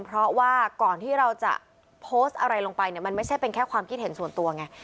เพราะว่าก่อนที่เราจะโพสต์อะไรลงไปเนี่ยมันไม่ใช่เป็นแค่ความคิดเห็นส่วนตัวไง